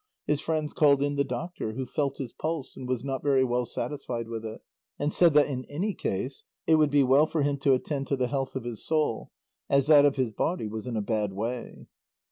His friends called in the doctor, who felt his pulse and was not very well satisfied with it, and said that in any case it would be well for him to attend to the health of his soul, as that of his body was in a bad way.